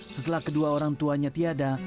setelah kedua orang tuanya tiada